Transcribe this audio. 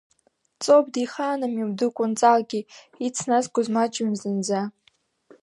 Ҵоуп, дихааным иабду Кәынҵалгьы, ицназгоз маҷҩын зынӡа.